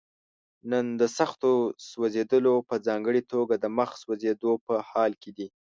نن د سختو سوځېدلو په ځانګړي توګه د مخ سوځېدو په حال کې دي.